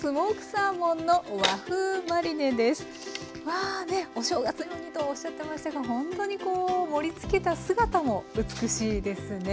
わあねっお正月用にとおっしゃってましたがほんとにこう盛りつけた姿も美しいですね。